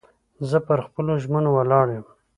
زه پر خپلو ژمنو ولاړ یم.